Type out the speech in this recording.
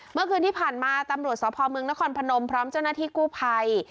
เมื่อคืนที่ผ่านมาตำรวจสพเมืองนครพนมพร้อมเจ้าหน้าที่กู้ภัย